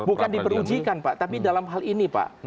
bukan diperujikan pak tapi dalam hal ini pak